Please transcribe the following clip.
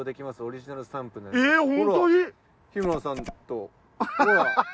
日村さんとほら。